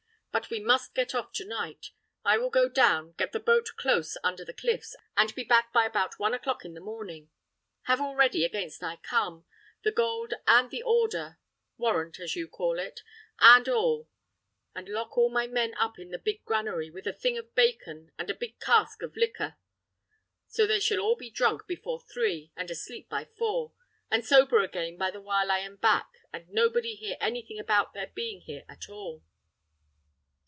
But we must get off to night. I will go down, get the boat close under the cliffs, and be back by about one o'clock in the morning. Have all ready against I come, the gold and the order warrant, as you call it, and all; and lock all my men up in the big granary, with a thing of bacon, and a big cask of liquor; so shall they be all drunk before three, and asleep by four, and sober again by the while I am back, and nobody hear anything about their being here at all."